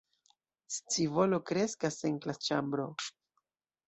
Scivolo kreskas en la klasĉambro.